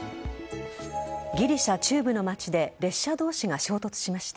ギリシャ中部の街で列車同士が衝突しました。